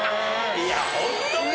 いやホントか？